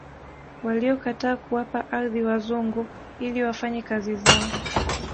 Waliokataa kuwapa ardhi wazungu ili wafanye kazi zao